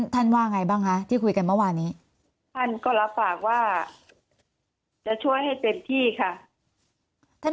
ว่าไงบ้างคะที่คุยกันเมื่อวานี้ท่านก็รับฝากว่าจะช่วยให้เต็มที่ค่ะ